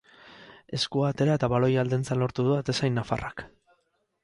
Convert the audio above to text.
Eskua atera eta baloia aldentzea lortu du atezain nafarrak.